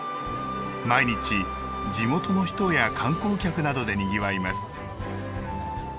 毎日、地元の人や観光客などでにぎわいます。